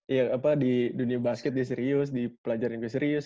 ya apa di dunia basket dia serius di pelajaran dia serius